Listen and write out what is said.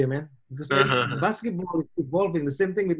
ada aplikasi baru yang akan datang